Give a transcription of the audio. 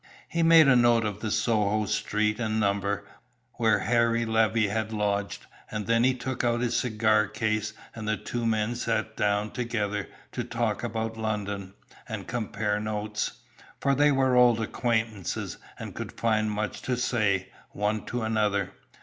He made a note of the Soho street and number, where Harry Levey had lodged, and then he took out his cigar case and the two men sat down together to talk about London, and compare notes. For they were old acquaintances, and could find much to say, one to another.